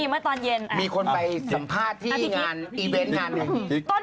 มีคนไปสัมภาษณ์ที่งานอีเวนท์การ